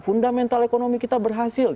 fundamental ekonomi kita berhasil